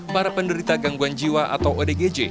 para penderita gangguan jiwa atau odgj